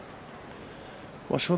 正代